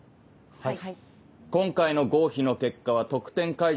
はい。